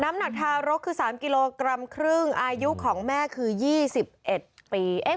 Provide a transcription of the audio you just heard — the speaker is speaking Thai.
น้ำหนักทารกคือ๓กิโลกรัมครึ่งอายุของแม่คือ๒๑ปี